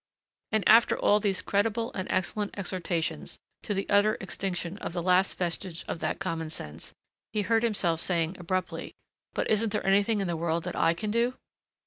And after all these creditable and excellent exhortations, to the utter extinction of the last vestige of that common sense he heard himself saying abruptly, "But isn't there anything in the world that I can do